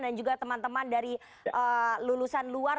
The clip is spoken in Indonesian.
dan juga teman teman dari lulusan luar